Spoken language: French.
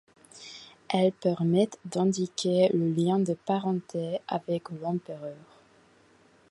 Elles permettent d'indiquer le lien de parenté avec l'empereur.